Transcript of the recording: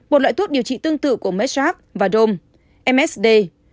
một loại thuốc điều trị tương tự của medshax và dome msd